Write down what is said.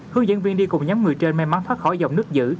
hướng dẫn viên đi cùng nhóm người trên may mắn thoát khỏi dòng nước giữ